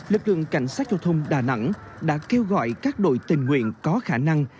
lực lượng cảnh sát giao thông đà nẵng đã kêu gọi các đội tình nguyện có khả năng